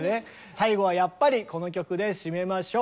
最後はやっぱりこの曲で締めましょう。